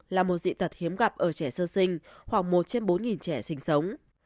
là một dị tật hiếm gặp ở trẻ sơ sinh khoảng một trên bốn trẻ sinh sống